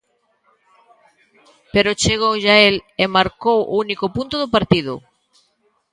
Pero chegoulle a el e marcou o único punto do partido.